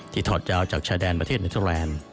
ที่ถอดยาวจากชายแดนประเทศนิทยาลันทร์